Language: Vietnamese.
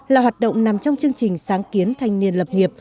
là hoạt động nằm trong chương trình sáng kiến thanh niên lập nghiệp